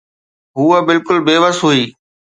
هوءَ بلڪل بيوس هئي.